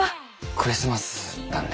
クリスマスなんで。